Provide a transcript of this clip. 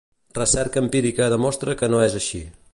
Recerca empírica demostra que no es així.